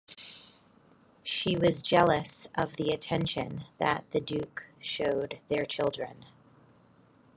She was jealous of the attention that the duke showed their children.